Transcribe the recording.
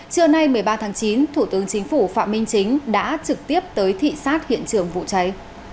trưa nay một mươi ba tháng chín thủ tướng chính phủ phạm minh chính đã trực tiếp tới thị xát hiện trường vụ cháy